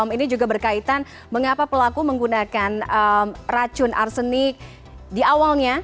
ini juga berkaitan mengapa pelaku menggunakan racun arsenik di awalnya